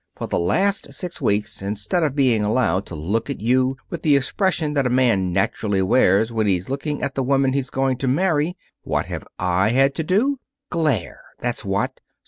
For the last six weeks, instead of being allowed to look at you with the expression that a man naturally wears when he's looking at the woman he's going to marry, what have I had to do? Glare, that's what!